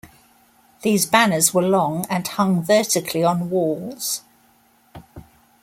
These banners were long and hung vertically on walls.